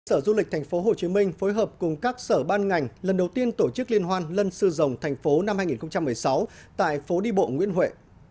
sở du lịch tp hcm phối hợp cùng các sở ban ngành lần đầu tiên tổ chức liên hoan lân sư rồng thành phố năm hai nghìn một mươi sáu tại phố đi bộ nguyễn huệ